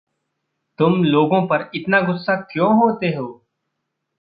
तुम लोगों पर इतना गुस्सा क्यों होते हो?